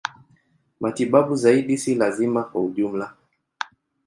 Matibabu zaidi si lazima kwa ujumla.